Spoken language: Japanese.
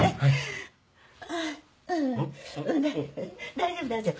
大丈夫大丈夫。